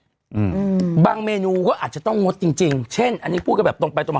อืมบางเมนูก็อาจจะต้องงดจริงจริงเช่นอันนี้พูดกันแบบตรงไปตรงมา